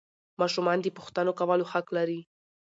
ماشومان د پوښتنو کولو حق لري